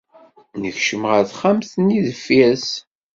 Nekcem ɣer texxamt-nni deffir-s.